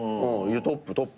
トップトップ。